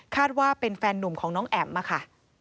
ว่าเป็นแฟนหนุ่มของน้องแอ๋มค่ะ